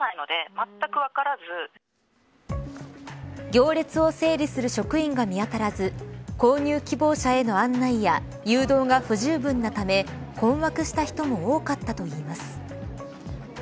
行列を整理する職員が見当たらず購入希望者への案内や誘導が不十分なため困惑した人も多かったといいます。